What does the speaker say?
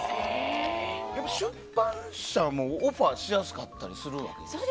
出版社もオファーしやすかったりするわけ？